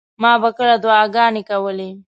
ما به کله دعاګانې کولې.